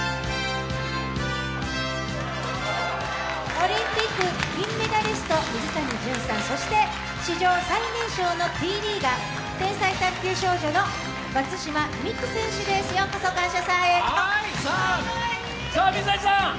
オリンピック金メダリスト、水谷隼さん、そして史上最年少Ｔリーガー、天才卓球少女の松島美空選手です、ようこそ「感謝祭」へ。